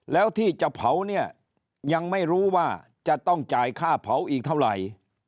แล้วที่จะเผาเนี่ยยังไม่รู้ว่าจะต้องจ่ายค่าเผาอีกเท่าไหร่